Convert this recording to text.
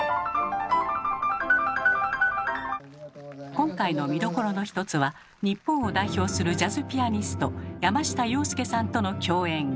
今回の見どころの一つは日本を代表するジャズピアニスト山下洋輔さんとの共演！